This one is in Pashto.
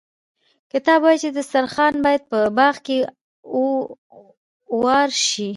کتاب وايي چې دسترخوان باید په باغ کې اوار شي.